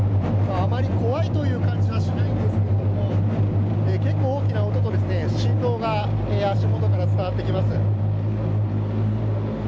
あまり怖いという感じはしないんですけれども結構大きな音と振動が足元から伝わってきます。